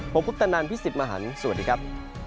ผมกุ๊บตะนานพิสิทธิ์มหันฯสวัสดีครับ